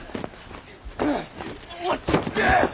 落ち着け林！